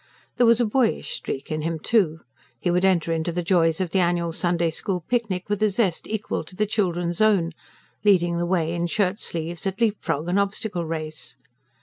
There was a boyish streak in him, too. He would enter into the joys of the annual Sunday school picnic with a zest equal to the children's own, leading the way, in shirt sleeves, at leap frog and obstacle race.